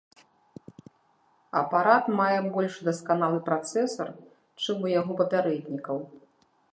Апарат мае больш дасканалы працэсар, чым у яго папярэднікаў.